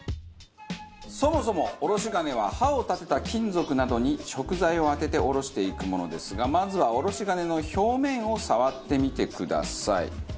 そもそもおろし金は刃を立てた金属などに食材を当てておろしていくものですがまずはおろし金の表面を触ってみてください。